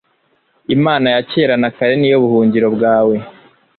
imana ya kera na kare ni yo buhungiro bwawe